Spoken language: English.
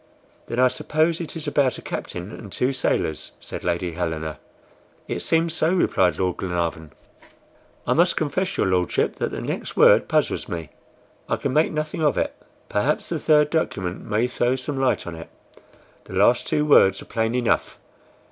"Then I suppose it is about a captain and two sailors," said Lady Helena. "It seems so," replied Lord Glenarvan. "I must confess, your Lordship, that the next word puzzles me. I can make nothing of it. Perhaps the third document may throw some light on it. The last two words are plain enough.